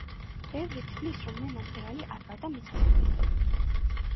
ბევრი თვლის, რომ მე მომღერალი არ ვარ და მეც ასე ვფიქრობ.